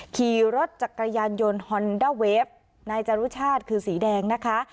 ขี่รถจักรยานยนต์ฮอนด้าเวฟนายจรุชาติคือสีแดงนะคะ